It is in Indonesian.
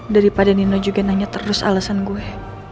daripada nino juga nanya terus alasan gue